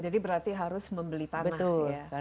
jadi berarti harus membeli tanah ya